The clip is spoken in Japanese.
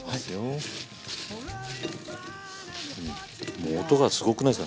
もう音がすごくないですか？